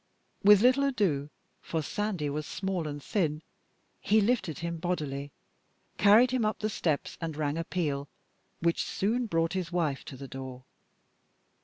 With little ado for Sandy was small and thin he lifted him bodily, carried him up the steps, and rang a peal which soon brought his wife to the door.